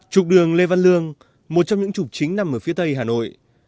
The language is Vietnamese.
trục đường lê văn lương một trong những trục chính nằm ở phía tây hà nội